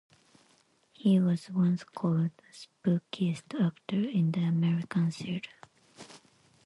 He was once called "the spookiest actor in the American theatre".